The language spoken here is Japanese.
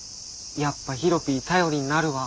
やっぱヒロピー頼りになるわ。